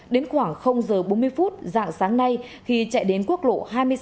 đến khoảng h bốn mươi phút dạng sáng nay khi chạy đến quốc lộ hai mươi sáu